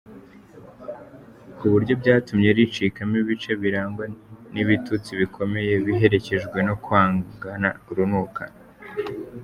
ku buryo byatumye ricikamo ibice birangwa n’ibitutsi bikomeye biherekejwe no kwangana urunuka.